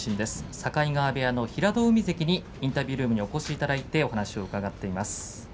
境川部屋の平戸海関にインタビュールームにお越しいただいています。